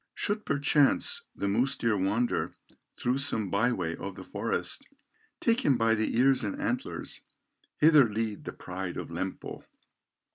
Should, perchance, the moose deer wander Through some by way of the forest, Take him by the ears and antlers, Hither lead the pride of Lempo.